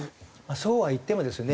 そうは言ってもですね